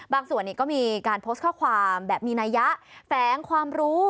บางส่วนนี้ก็มีการโพสต์ข้อความแบบมีนายะแฟ้งความรู้